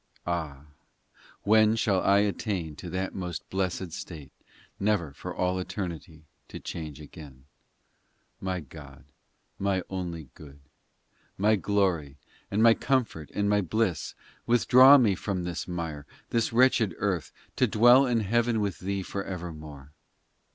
Ah, when shall I attain To that most blessed state, Never for all eternity to change again ? XIII My God, my only good, My glory, and my comfort and my bliss, Withdraw me from this mire, This wretched earth, To dwell in heaven with Thee for evermore